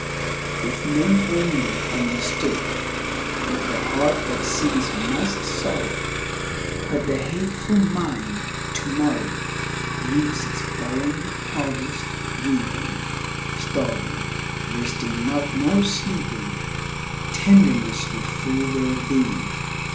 If men only understood That the heart that sins must sorrow, That the hateful mind to morrow Reaps its barren harvest, weeping, Starving, resting not, nor sleeping; Tenderness would fill their being.